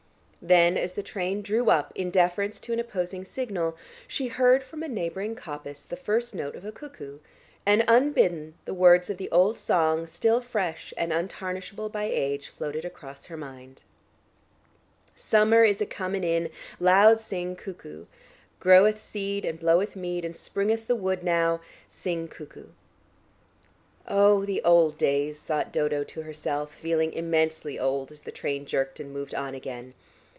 Then as the train drew up in deference to an opposing signal, she heard from a neighbouring coppice the first note of a cuckoo, and unbidden the words of the old song, still fresh and untarnishable by age, floated across her mind: Summer is i cumen in, Lhoude sing cuccu: Groweth sed, and bloweth med, And springthe the woode nu, Sing cuccu. "Oh, the old days!" thought Dodo to herself, feeling immensely old, as the train jerked and moved on again.